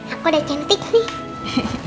aku udah cantik nih